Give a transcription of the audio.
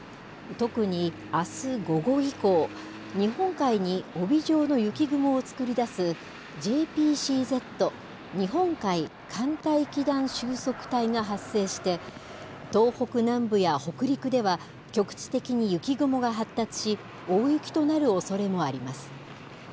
特に、あす午後以降、日本海に帯状の雪雲を作り出す、ＪＰＣＺ・日本海寒帯気団収束帯が発生して、東北南部や北陸では、局地的に雪雲が発達し、大雪となるおそれもあります。